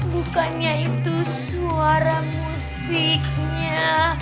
bukannya itu suara musiknya